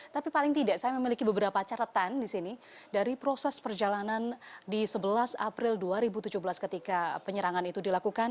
tapi paling tidak saya memiliki beberapa catatan di sini dari proses perjalanan di sebelas april dua ribu tujuh belas ketika penyerangan itu dilakukan